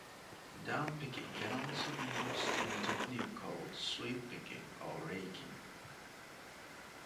Downpicking can also be used in a technique called sweep picking, or 'raking'.